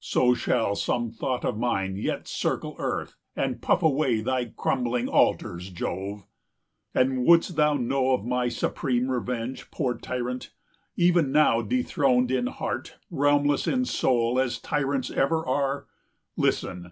So shall some thought of mine yet circle earth, And puff away thy crumbling altars, Jove! 125 [Footnote 20: That is, Jove himself.] And, wouldst thou know of my supreme revenge, Poor tyrant, even now dethroned in heart, Realmless in soul, as tyrants ever are, Listen!